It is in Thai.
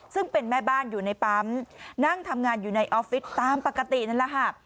ซึ่งเป็นแม่บ้านอยู่ในปั๊มนั่งทำงานอยู่ในออฟฟิศตามปกตินั่นแหละค่ะ